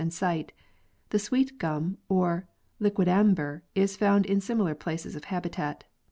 and site; the sweet gum or liquidambar is found in similar places of habitat.